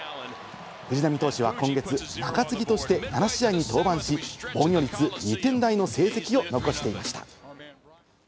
藤浪投手は今月、中継ぎとして７試合に登板し、防御率２点台の成績を残していました。